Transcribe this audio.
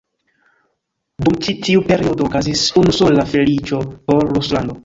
Dum ĉi tiu periodo okazis unu sola feliĉo por Ruslando.